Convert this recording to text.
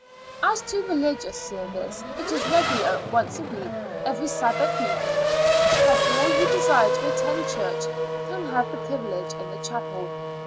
As to religious service, it is regular once a week, every Sabbath evening, so that all who desire to attend church can have the privilege in the chapel.